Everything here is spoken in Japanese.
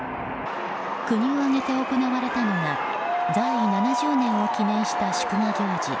国を挙げて行われたのが在位７０年を記念して行われた祝賀行事